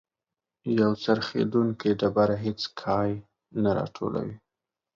یو څرخیدونکی ډبره هیڅ کای نه راټولوي.